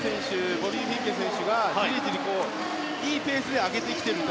ボビー・フィンケ選手がじりじり、いいペースで上げてきていると。